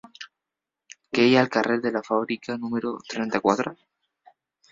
Què hi ha al carrer de la Fàbrica número trenta-quatre?